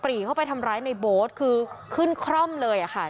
รีเข้าไปทำร้ายในโบ๊ทคือขึ้นคร่อมเลยอะค่ะ